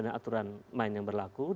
dengan aturan main yang berlaku